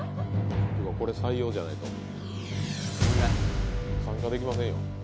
これ採用じゃないと参加できませんよ